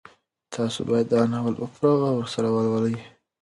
تاسو باید دا ناول په پوره غور سره ولولئ.